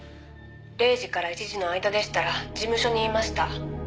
「０時から１時の間でしたら事務所にいました」